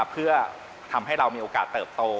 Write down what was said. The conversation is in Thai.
เพื่อทำให้เรามีโอกาสเติบโต